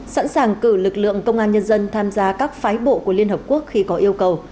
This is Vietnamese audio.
sẵn sàng cử lực lượng công an nhân dân tham gia các phái bộ của liên hợp quốc khi có yêu cầu